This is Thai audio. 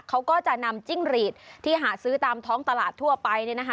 เขาก็จะนำจิ้งหรีดที่หาซื้อตามท้องตลาดทั่วไป